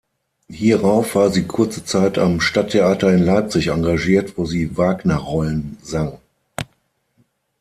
Hierauf war sie kurze Zeit am Stadttheater in Leipzig engagiert, wo sie Wagner-Rollen sang.